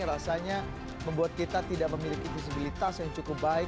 rasanya membuat kita tidak memiliki disabilitas yang cukup baik